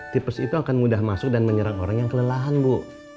tipes itu akan mudah masuk dan menyerang orang yang kelelahan bu